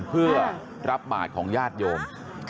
เพื่อรับบาทของญาติโยม